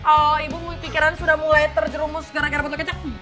oh ibu pikiran sudah mulai terjerumus gara gara bentuk kecak